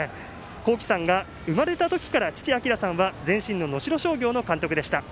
浩輝さんが生まれた時から父親の明さんは前身の能代松陽の監督でした。